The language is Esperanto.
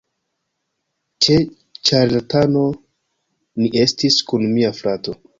Ĉe ĉarlatano ni estis kun mia frato